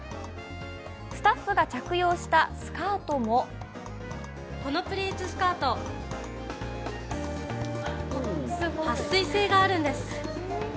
スタッフが着用したスカートもこのプリーツスカートはっ水性があるんです。